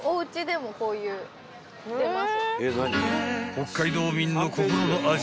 ［北海道民の心の味］